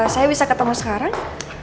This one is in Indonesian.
saya bisa ketemu sekarang